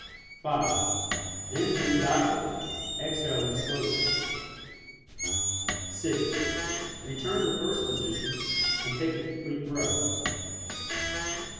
(5) Then bend backward, exhaling slowly. (6) Return to first position and take a Complete Breath.